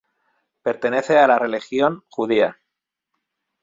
Pertenece a la religión judía.